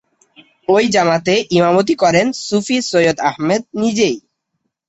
ওই জামাতে ইমামতি করেন সুফি সৈয়দ আহমেদ নিজেই।